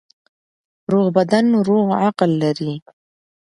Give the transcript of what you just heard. روغ بدن روغ عقل لري.